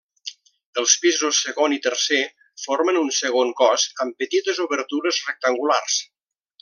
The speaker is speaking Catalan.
Els pisos segon i tercer formen un segon cos amb petites obertures rectangulars.